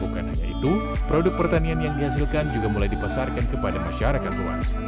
bukan hanya itu produk pertanian yang dihasilkan juga mulai dipasarkan kepada masyarakat luas